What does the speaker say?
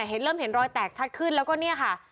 เห็นเริ่มเห็นรอยแตกชัดขึ้นแล้วก็เนี่ยค่ะ